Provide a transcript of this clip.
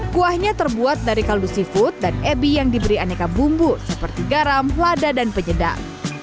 kuahnya terbuat dari kaldu seafood dan ebi yang diberi aneka bumbu seperti garam lada dan penyedap